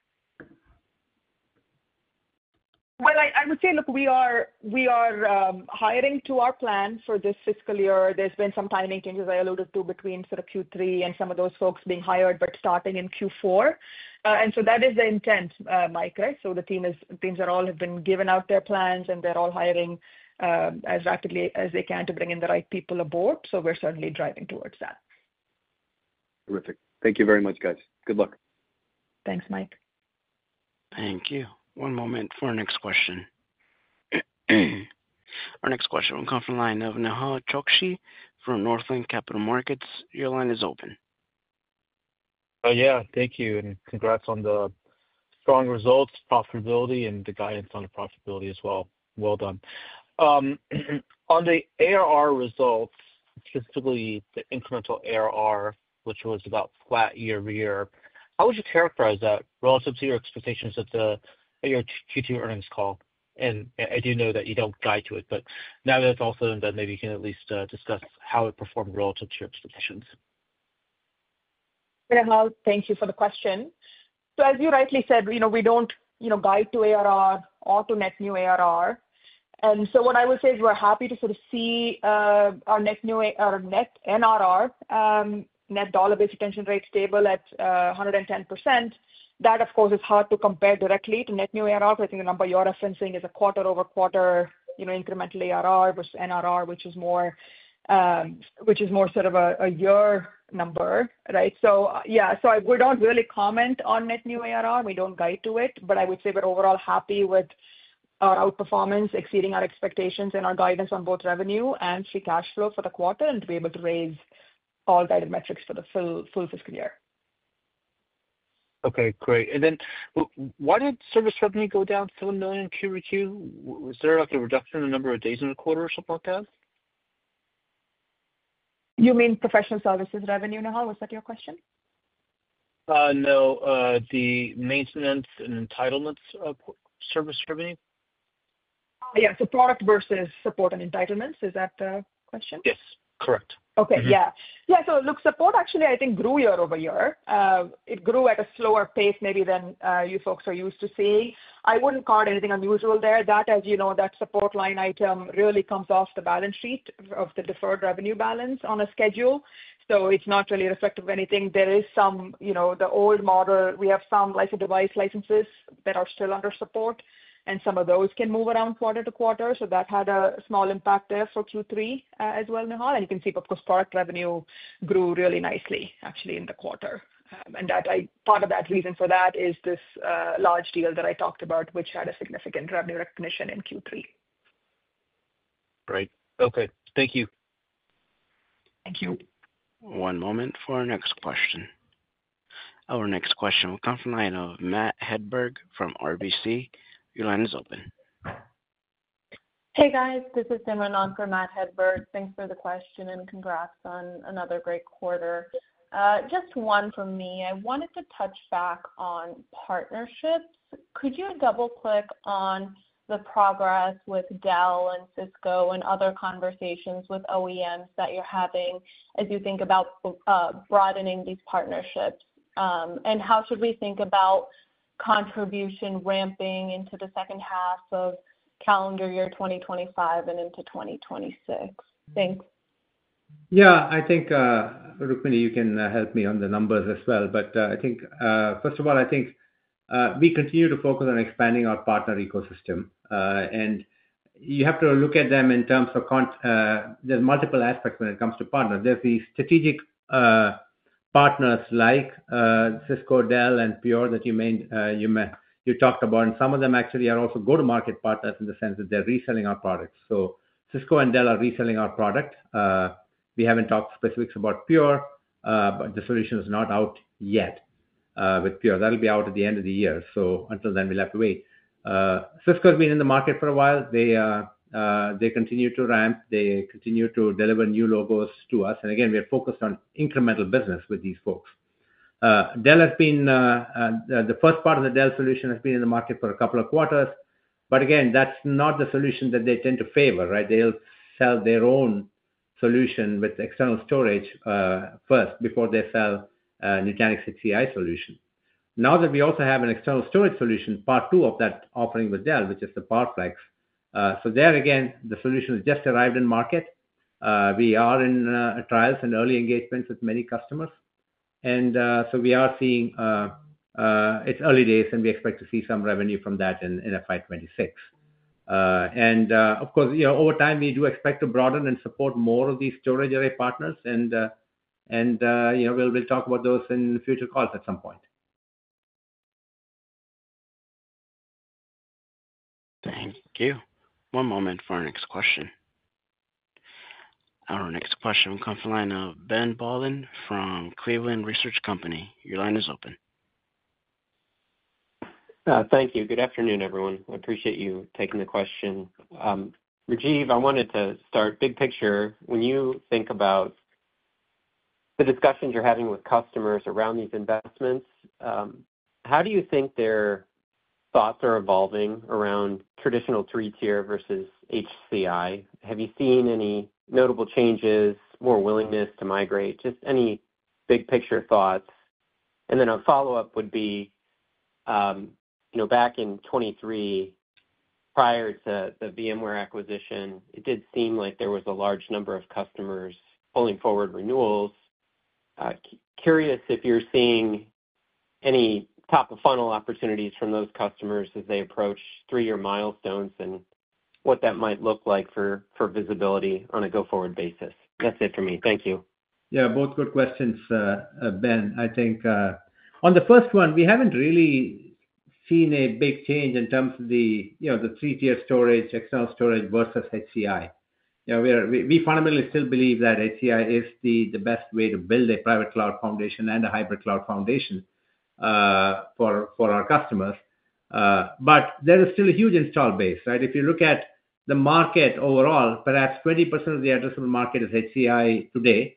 I would say, look, we are hiring to our plan for this fiscal year. There's been some timing changes, I alluded to, between sort of Q3 and some of those folks being hired, but starting in Q4. That is the intent, Mike, right? The teams have all been given out their plans, and they're all hiring as rapidly as they can to bring in the right people aboard. We're certainly driving towards that. Terrific. Thank you very much, guys. Good luck. Thanks, Mike. Thank you. One moment for our next question. Our next question will come from line of Nehal Chokshi from Northland Capital Markets. Your line is open. Yeah. Thank you. Congrats on the strong results, profitability, and the guidance on the profitability as well. Well done. On the ARR results, specifically the incremental ARR, which was about flat year over year, how would you characterize that relative to your expectations at your Q2 earnings call? I do know that you do not guide to it, but now that it is all said and done, maybe you can at least discuss how it performed relative to your expectations. Nehal, thank you for the question. As you rightly said, we do not guide to ARR or to net new ARR. What I would say is we are happy to see our NRR, net dollar-based retention rate, stable at 110%. That, of course, is hard to compare directly to net new ARR, because I think the number you are referencing is a quarter-over-quarter incremental ARR versus NRR, which is more of a year number, right? We do not really comment on net new ARR. We do not guide to it. I would say we are overall happy with our outperformance, exceeding our expectations and our guidance on both revenue and free cash flow for the quarter, and to be able to raise all guided metrics for the full fiscal year. Okay. Great. Why did service revenue go down from $1 million in Q2? Was there a reduction in the number of days in the quarter or something like that? You mean professional services revenue, Nehal? Was that your question? No. The maintenance and entitlements of service revenue. Yeah. So product versus support and entitlements. Is that the question? Yes. Correct. Okay. Yeah. Yeah. Look, support, actually, I think grew year over year. It grew at a slower pace maybe than you folks are used to seeing. I would not call it anything unusual there. That, as you know, that support line item really comes off the balance sheet of the deferred revenue balance on a schedule. It is not really reflective of anything. There is some of the old model, we have some device licenses that are still under support, and some of those can move around quarter to quarter. That had a small impact there for Q3 as well, Nehal. You can see, of course, product revenue grew really nicely, actually, in the quarter. Part of the reason for that is this large deal that I talked about, which had a significant revenue recognition in Q3. Great. Okay. Thank you. Thank you. One moment for our next question. Our next question will come from the line of Matt Hedberg from RBC. Your line is open. Hey, guys. This is Simran on from Matt Hedberg. Thanks for the question and congrats on another great quarter. Just one from me. I wanted to touch back on partnerships. Could you double-click on the progress with Dell and Cisco and other conversations with OEMs that you're having as you think about broadening these partnerships? How should we think about contribution ramping into the second half of calendar year 2025 and into 2026? Thanks. Yeah. I think, Rukmini, you can help me on the numbers as well. I think, first of all, we continue to focus on expanding our partner ecosystem. You have to look at them in terms of there's multiple aspects when it comes to partners. There's these strategic partners like Cisco, Dell, and Pure that you talked about. Some of them actually are also go-to-market partners in the sense that they're reselling our products. Cisco and Dell are reselling our product. We haven't talked specifics about Pure, but the solution is not out yet with Pure. That'll be out at the end of the year. Until then, we'll have to wait. Cisco has been in the market for a while. They continue to ramp. They continue to deliver new logos to us. Again, we are focused on incremental business with these folks. Dell has been the first part of the Dell solution has been in the market for a couple of quarters. That is not the solution that they tend to favor, right? They will sell their own solution with external storage first before they sell Nutanix HCI solution. Now that we also have an external storage solution, part two of that offering with Dell, which is the PowerFlex. There, again, the solution has just arrived in market. We are in trials and early engagements with many customers. We are seeing it is early days, and we expect to see some revenue from that in FY 2026. Of course, over time, we do expect to broaden and support more of these storage array partners. We will talk about those in future calls at some point. Thank you. One moment for our next question. Our next question will come from line of Ben Bollin from Cleveland Research Company. Your line is open. Thank you. Good afternoon, everyone. I appreciate you taking the question. Rajiv, I wanted to start big picture. When you think about the discussions you're having with customers around these investments, how do you think their thoughts are evolving around traditional three-tier versus HCI? Have you seen any notable changes, more willingness to migrate? Just any big picture thoughts. A follow-up would be, back in 2023, prior to the VMware acquisition, it did seem like there was a large number of customers pulling forward renewals. Curious if you're seeing any top-of-funnel opportunities from those customers as they approach three-year milestones and what that might look like for visibility on a go-forward basis. That's it for me. Thank you. Yeah. Both good questions, Ben. I think on the first one, we haven't really seen a big change in terms of the three-tier storage, external storage versus HCI. We fundamentally still believe that HCI is the best way to build a private cloud foundation and a hybrid cloud foundation for our customers. There is still a huge install base, right? If you look at the market overall, perhaps 20% of the addressable market is HCI today,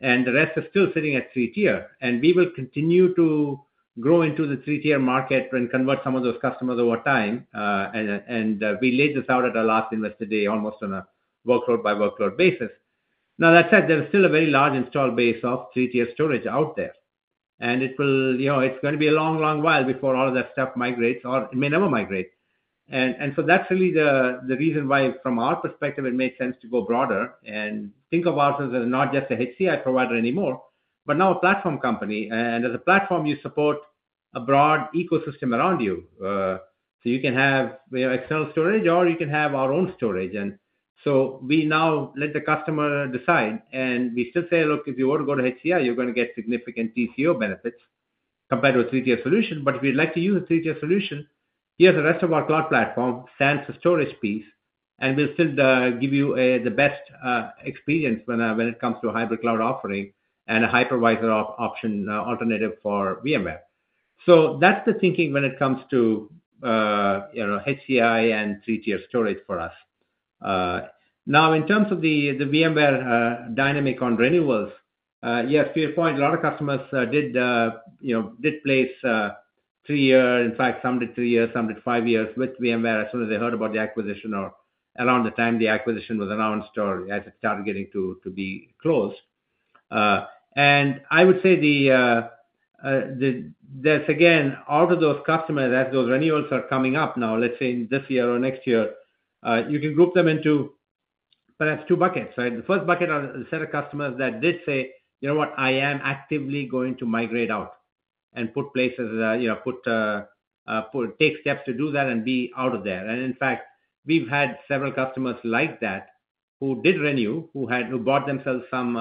and the rest is still sitting at three-tier. We will continue to grow into the three-tier market and convert some of those customers over time. We laid this out at our last Investor Day, almost on a workload-by-workload basis. That said, there is still a very large install base of three-tier storage out there. It's going to be a long, long while before all of that stuff migrates, or it may never migrate. That is really the reason why, from our perspective, it makes sense to go broader and think of ourselves as not just a HCI provider anymore, but now a platform company. As a platform, you support a broad ecosystem around you. You can have external storage, or you can have our own storage. We now let the customer decide. We still say, "Look, if you were to go to HCI, you're going to get significant TCO benefits compared to a three-tier solution. If you'd like to use a three-tier solution, here's the rest of our cloud platform, SAN for storage piece, and we'll still give you the best experience when it comes to a hybrid cloud offering and a hypervisor option alternative for VMware. That's the thinking when it comes to HCI and three-tier storage for us. Now, in terms of the VMware dynamic on renewals, yes, to your point, a lot of customers did place three-year, in fact, some did three-year, some did five-years with VMware as soon as they heard about the acquisition or around the time the acquisition was announced or as it started getting to be closed. I would say there's, again, out of those customers, as those renewals are coming up now, let's say this year or next year, you can group them into perhaps two buckets, right? The first bucket is a set of customers that did say, "You know what? I am actively going to migrate out and put places, take steps to do that and be out of there." In fact, we've had several customers like that who did renew, who bought themselves some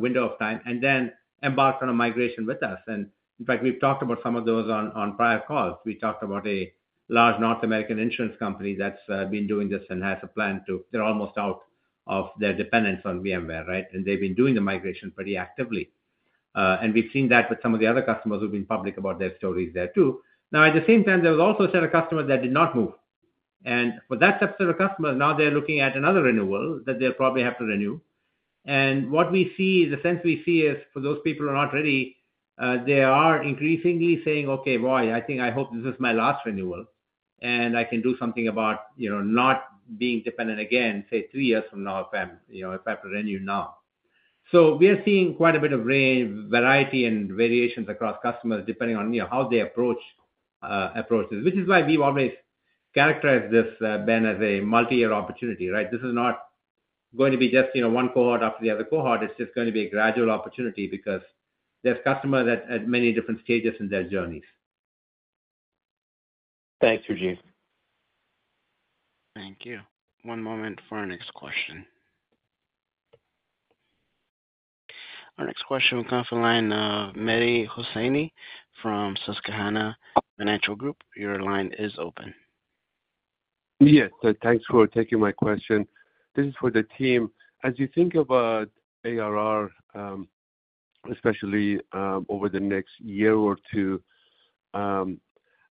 window of time, and then embarked on a migration with us. In fact, we've talked about some of those on prior calls. We talked about a large North American insurance company that's been doing this and has a plan to. They're almost out of their dependence on VMware, right? They've been doing the migration pretty actively. We've seen that with some of the other customers who've been public about their stories there too. At the same time, there was also a set of customers that did not move. For that subset of customers, now they're looking at another renewal that they'll probably have to renew. What we see, the sense we see is for those people who are not ready, they are increasingly saying, "Okay, boy, I think I hope this is my last renewal, and I can do something about not being dependent again, say, three years from now if I have to renew now." We are seeing quite a bit of variety and variations across customers depending on how they approach this, which is why we've always characterized this, Ben, as a multi-year opportunity, right? This is not going to be just one cohort after the other cohort. It's just going to be a gradual opportunity because there's customers at many different stages in their journeys. Thanks, Rajiv. Thank you. One moment for our next question. Our next question will come from line of Mehdi Hosseini from Susquehanna Financial Group. Your line is open. Yes. Thanks for taking my question. This is for the team. As you think about ARR, especially over the next year or two,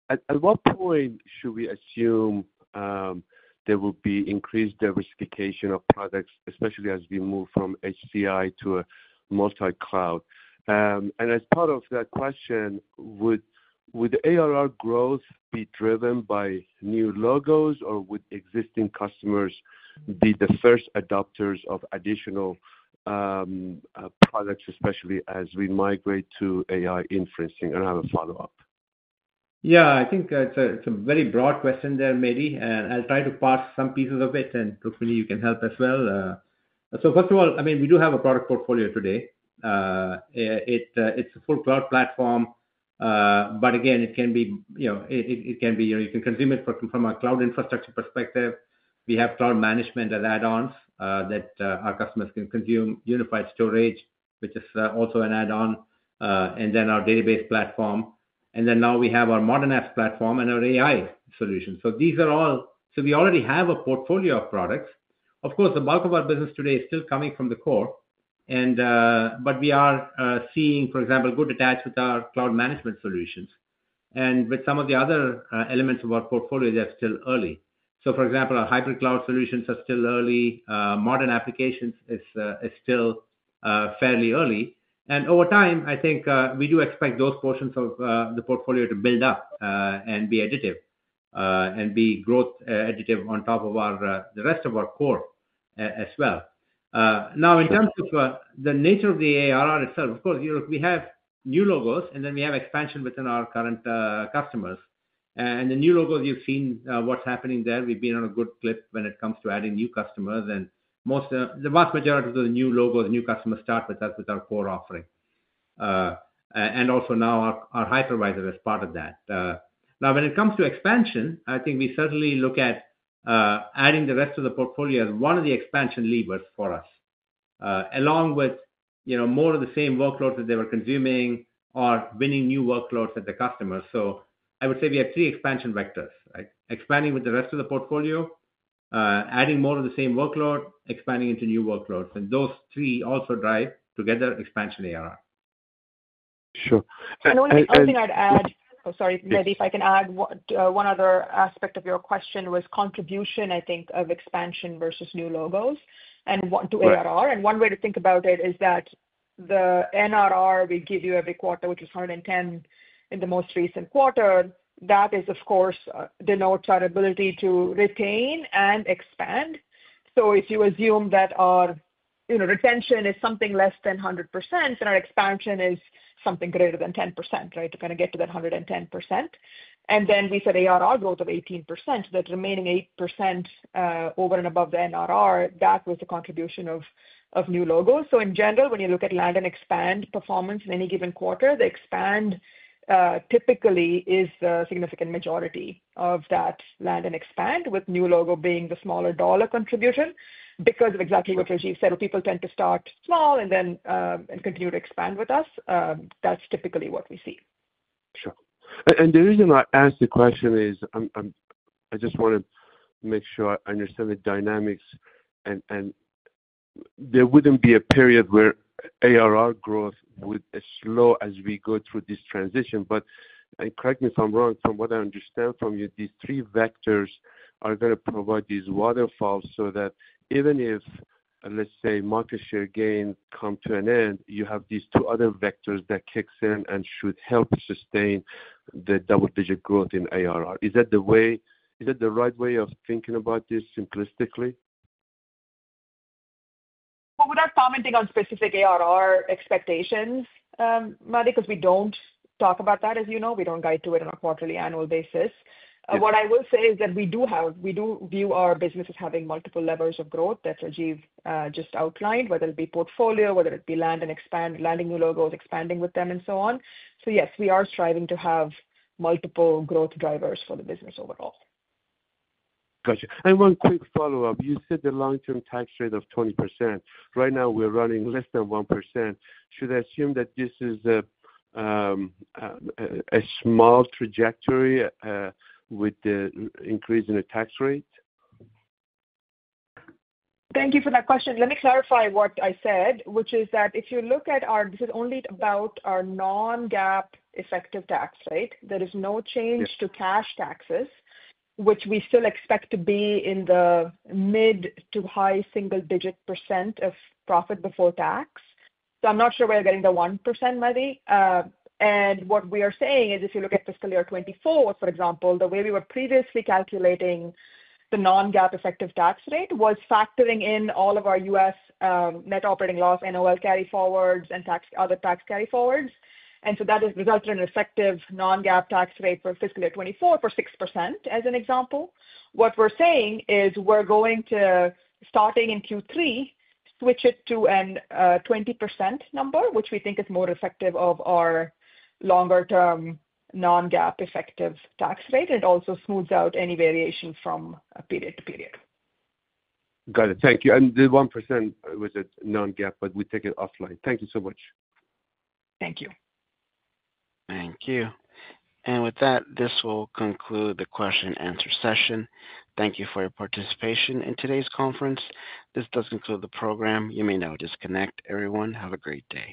at what point should we assume there will be increased diversification of products, especially as we move from HCI to a multi-cloud? As part of that question, would ARR growth be driven by new logos, or would existing customers be the first adopters of additional products, especially as we migrate to AI inferencing? I have a follow-up. Yeah. I think it's a very broad question there, Mehdi. I'll try to parse some pieces of it, and hopefully, you can help as well. First of all, I mean, we do have a product portfolio today. It's a full cloud platform. It can be, you can consume it from a cloud infrastructure perspective. We have cloud management and add-ons that our customers can consume, unified storage, which is also an add-on, and then our database platform. Now we have our modern apps platform and our AI solution. These are all, so we already have a portfolio of products. Of course, the bulk of our business today is still coming from the core. We are seeing, for example, good attached with our cloud management solutions. With some of the other elements of our portfolio, they're still early. For example, our hybrid cloud solutions are still early. Modern applications is still fairly early. Over time, I think we do expect those portions of the portfolio to build up and be additive and be growth additive on top of the rest of our core as well. In terms of the nature of the ARR itself, of course, we have new logos, and then we have expansion within our current customers. The new logos, you've seen what's happening there. We've been on a good clip when it comes to adding new customers. The vast majority of the new logos, new customers start with us with our core offering. Also, now our hypervisor is part of that. Now, when it comes to expansion, I think we certainly look at adding the rest of the portfolio as one of the expansion levers for us, along with more of the same workloads that they were consuming or winning new workloads at the customers. I would say we have three expansion vectors, right? Expanding with the rest of the portfolio, adding more of the same workload, expanding into new workloads. Those three also drive together expansion ARR. Sure. Only one thing I'd add, oh, sorry, Mehdi, if I can add one other aspect of your question was contribution, I think, of expansion versus new logos and to ARR. One way to think about it is that the NRR we give you every quarter, which is 110 in the most recent quarter, that is, of course, denotes our ability to retain and expand. If you assume that our retention is something less than 100%, then our expansion is something greater than 10%, right, to kind of get to that 110%. We said ARR growth of 18%, that remaining 8% over and above the NRR, that was the contribution of new logos. In general, when you look at land and expand performance in any given quarter, the expand typically is the significant majority of that land and expand, with new logo being the smaller dollar contribution. Because of exactly what Rajiv said, people tend to start small and then continue to expand with us. That's typically what we see. Sure. The reason I asked the question is I just want to make sure I understand the dynamics. There wouldn't be a period where ARR growth would slow as we go through this transition. Correct me if I'm wrong. From what I understand from you, these three vectors are going to provide these waterfalls so that even if, let's say, market share gain comes to an end, you have these two other vectors that kick in and should help sustain the double-digit growth in ARR. Is that the right way of thinking about this simplistically? Without commenting on specific ARR expectations, Mehdi, because we do not talk about that, as you know, we do not guide to it on a quarterly or annual basis. What I will say is that we do view our business as having multiple levers of growth that Rajiv just outlined, whether it be portfolio, whether it be land and expand, landing new logos, expanding with them, and so on. Yes, we are striving to have multiple growth drivers for the business overall. Gotcha. One quick follow-up. You said the long-term tax rate of 20%. Right now, we're running less than 1%. Should I assume that this is a small trajectory with the increase in the tax rate? Thank you for that question. Let me clarify what I said, which is that if you look at our, this is only about our non-GAAP effective tax, right? There is no change to cash taxes, which we still expect to be in the mid to high single-digit % of profit before tax. I'm not sure where you're getting the 1%, Mehdi. What we are saying is if you look at fiscal year 2024, for example, the way we were previously calculating the non-GAAP effective tax rate was factoring in all of our US net operating loss, NOL carryforwards, and other tax carryforwards. That has resulted in an effective non-GAAP tax rate for fiscal year 2024 of 6%, as an example. What we're saying is we're going to, starting in Q3, switch it to a 20% number, which we think is more effective of our longer-term non-GAAP effective tax rate. It also smooths out any variation from period to period. Got it. Thank you. The 1% was a non-GAAP, but we take it offline. Thank you so much. Thank you. Thank you. With that, this will conclude the question-and-answer session. Thank you for your participation in today's conference. This does conclude the program. You may now disconnect, everyone. Have a great day.